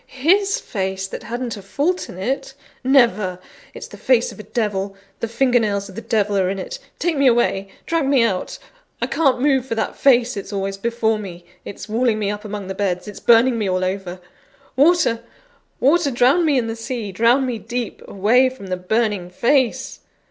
his face, that hadn't a fault in it? Never! It's the face of a devil; the finger nails of the devil are on it! Take me away! drag me out! I can't move for that face: it's always before me: it's walling me up among the beds: it's burning me all over. Water! water! drown me in the sea; drown me deep, away from the burning face!"